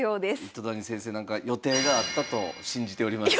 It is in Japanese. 糸谷先生なんか予定があったと信じております。